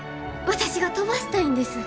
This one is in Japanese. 私が飛ばしたいんです。